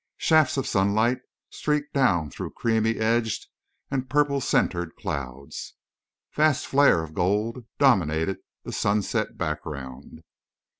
Shafts of sunlight streaked down through creamy edged and purple centered clouds. Vast flare of gold dominated the sunset background.